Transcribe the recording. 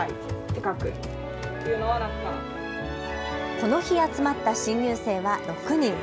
この日集まった新入生は６人。